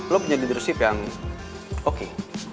lo menjadi drusif yang oke